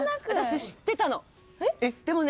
でもね。